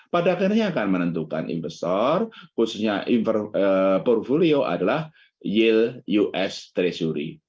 pada akhirnya akan menentukan investor khususnya portfolio adalah yield us treasury